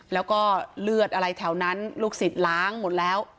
แล้วก็เลือดอะไรแถวนั้นลูกศิษย์ล้างหมดแล้ว